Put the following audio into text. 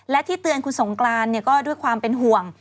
และที่เตือนคุณสงกรานก็ด้วยความเป็นห่วง